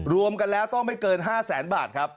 รวมกันแล้วต้องไม่เกิน๕แสนบาทครับ